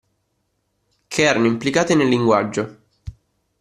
Che erano implicate nel linguaggio.